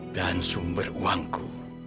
dan sumber uangku